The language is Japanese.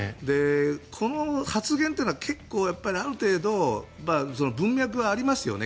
この発言というのは結構、ある程度文脈はありますよね。